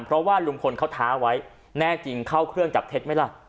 เพราะว่าลุงพลเขาท้าไว้แน่จริงเข้าเครื่องจับเท็จไหมล่ะ